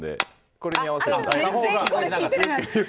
これに合わせて。